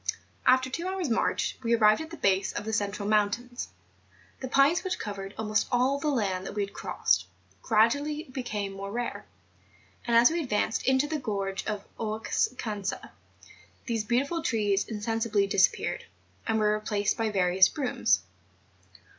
After two hours' march, we arrived at the base of the central mountains. The pines which covered almost all the land that we had crossed, gTadually became more rare; and as we advanced into the gorge of Oucanca these beautiful trees insensibly disappeared, and were replaced by viscous brooms.